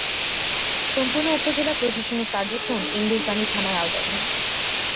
সম্পূর্ণ উপজেলার প্রশাসনিক কার্যক্রম ইন্দুরকানী থানার আওতাধীন।